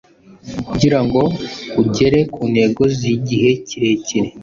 kugirango ugere ku ntego zigihe kirekire,